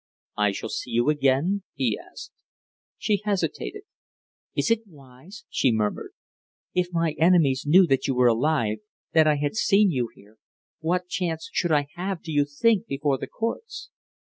"I shall see you again?" he asked. She hesitated. "Is it wise?" she murmured. "If my enemies knew that you were alive, that I had seen you here, what chance should I have, do you think, before the courts?"